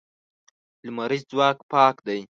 لمریز ځواک پاک دی.